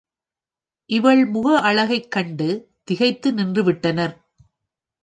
இவள் முக அழகைக் கண்டு திகைத்து நின்றுவிட்டன.